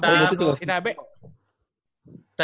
oh berarti lu ngambil jurusan apa